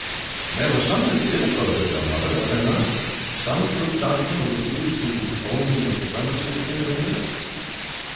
"There were some that did oppose it, mother, were there not? some true Scotchmen who refused to own the supremacy of the King of England?"